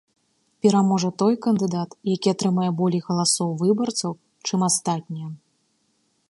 Пераможа той кандыдат, які атрымае болей галасоў выбарцаў, чым астатнія.